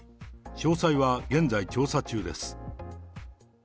詳細は現在調査中です。